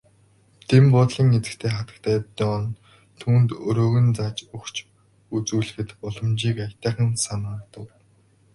Дэн буудлын эзэгтэй хатагтай Дооне түүнд өрөөг нь зааж өгч үзүүлэхэд боломжийн аятайхан санагдав.